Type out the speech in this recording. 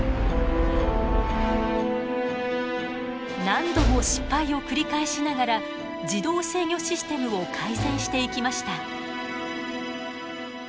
何度も失敗を繰り返しながら自動制御システムを改善していきました。